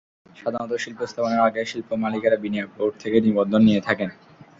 সাধারণত শিল্প স্থাপনের আগে শিল্পমালিকেরা বিনিয়োগ বোর্ড থেকে নিবন্ধন নিয়ে থাকেন।